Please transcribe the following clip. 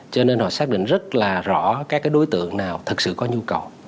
cho nên họ xác định rất là rõ các đối tượng nào thật sự có nhu cầu